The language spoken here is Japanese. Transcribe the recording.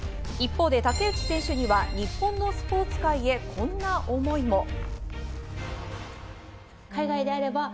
一方で竹内選手には日本のスポーツ界へこんな思いも。